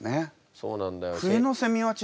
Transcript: そうなんだよ。